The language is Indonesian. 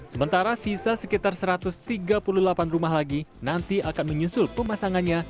sementara sisa sekitar satu ratus tiga puluh delapan rumah lagi nanti akan menyusul pemasangannya